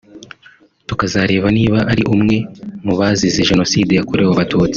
tukazareba niba ari umwe mubazize Jenoside yakorewe Abatutsi